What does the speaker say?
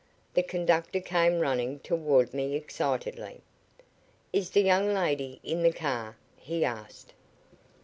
The conductor came running toward me excitedly. "'Is the young lady in the car?' he asked.